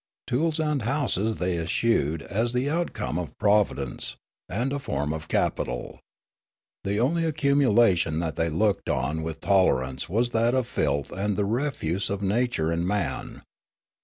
Tools and houses they eschewed as the Witlingen and Adjacent Islands 261 outcome of providence, and a form of capital. The only accumulation that they looked on with tolerance was that of filth and the refuse of Nature and man.